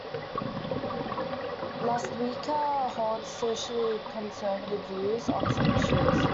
Lastewka holds socially conservative views on some issues.